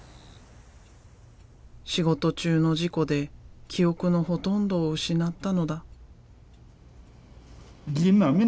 仕事中の事故で記憶のほとんどを失ったのだ。